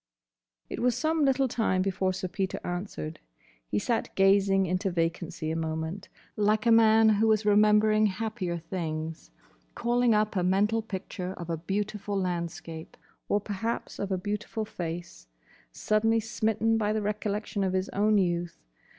It was some little time before Sir Peter answered. He sat gazing into vacancy a moment, like a man who is remembering happier things, calling up a mental picture of a beautiful landscape—or perhaps of a beautiful face—suddenly smitten by the recollection of his own youth.